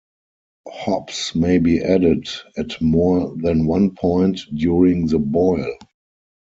Hops may be added at more than one point during the boil.